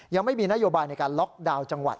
ยังไม่มีนโยบายในการล็อกดาวน์จังหวัด